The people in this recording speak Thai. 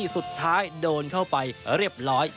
สุดท้ายโดนเข้าไปเรียบร้อย